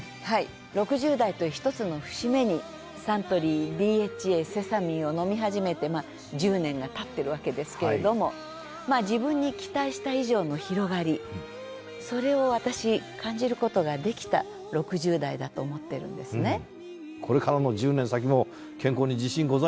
はい６０代という一つの節目にサントリーＤＨＡセサミンを飲み始めてまあ１０年が経ってるわけですけれども自分に期待した以上の広がりそれを私感じることができた６０代だと思ってるんですね。